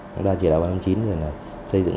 chúng ta chỉ là ba năm chín rồi